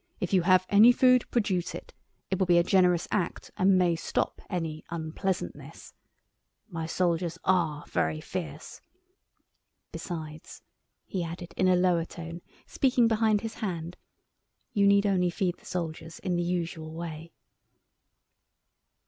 If you have any food, produce it. It will be a generous act, and may stop any unpleasantness. My soldiers are very fierce. Besides," he added in a lower tone, speaking behind his hand, "you need only feed the soldiers in the usual way."